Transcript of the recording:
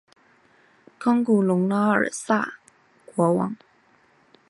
冈古农拉尔萨国王。